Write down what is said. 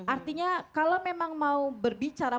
artinya kalau memang mau berbicara